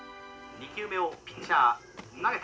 「３球目ピッチャー投げた。